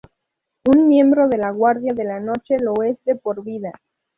Un miembro de la Guardia de la Noche lo es de por vida.